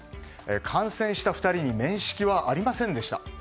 感染した２人に面識はありませんでした。